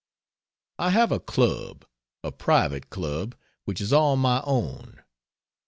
I have a Club, a private Club, which is all my own.